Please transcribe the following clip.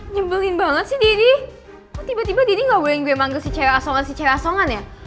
nyebelin banget sih deddy kok tiba tiba deddy gak bolehin gue manggil si cewek asongan si cewek asongan ya